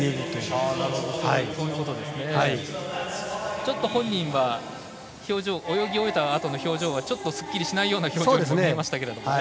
ちょっと本人は泳ぎ終えたあとの表情はちょっとすっきりしないような表情にも見えましたが。